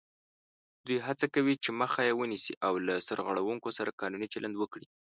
دوی هڅه کوي چې مخه یې ونیسي او له سرغړوونکو سره قانوني چلند وکړي